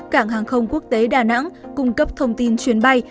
cảng hàng không quốc tế đà nẵng cung cấp thông tin chuyến bay